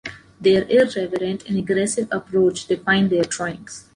Their irreverent and aggressive approach define their drawings.